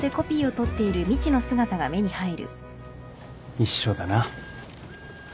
一緒だな。